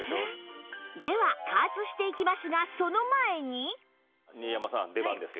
では加圧していきますがその前に新山さん出番ですよ。